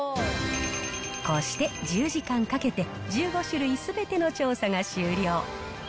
こうして１０時間かけて、１５種類すべての調査が終了。